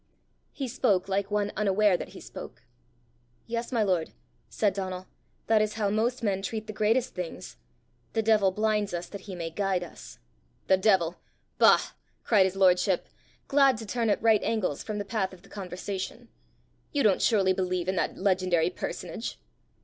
He spoke like one unaware that he spoke. "Yes, my lord," said Donal, "that is how most men treat the greatest things! The devil blinds us that he may guide us!" "The devil! bah!" cried his lordship, glad to turn at right angles from the path of the conversation; "you don't surely believe in that legendary personage?"